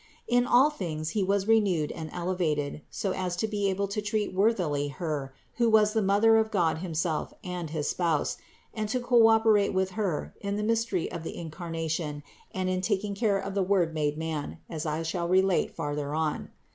In all things he was renewed and elevated, so as to be able to treat worthily Her, who was the Mother of God himself and his Spouse, and to co operate with Her in the mystery of the Incarnation and in tak ing care of the Word made man, as I shall relate farther on.